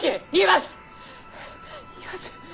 言います。